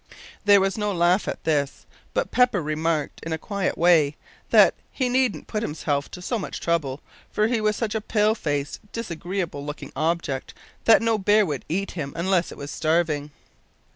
There was no laugh at this, but Pepper remarked, in a quiet way, that "he needn't put himself to so much trouble, for he was such a pale faced, disagreeable looking object that no bear would eat him unless it was starving."